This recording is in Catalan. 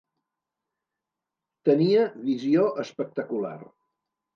Tenia visió espectacular.